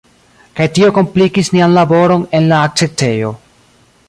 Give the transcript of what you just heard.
Kaj tio komplikis nian laboron en la akceptejo.